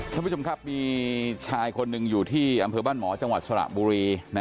ท่านผู้ชมครับมีชายคนหนึ่งอยู่ที่อำเภอบ้านหมอจังหวัดสระบุรี